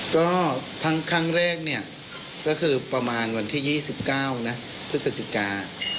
ก็ครั้งแรกเนี่ยก็คือประมาณวันที่๒๙นะพฤศจิกา